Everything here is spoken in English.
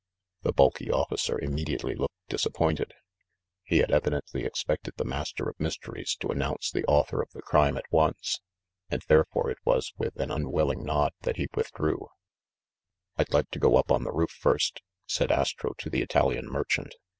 The bulky officer immediately looked disappointed. THE MACDOUGAL STREET AFFAIR 53 He had evidently expected the Master of Mysteries to announce the author of the crime at once ; and there fore it was with an unwilling nod that he withdrew. "I'd like to go up on the roof first," said Astro to the Italian merchant.